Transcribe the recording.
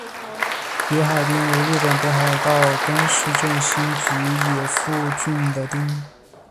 别海町为日本北海道根室振兴局野付郡的町。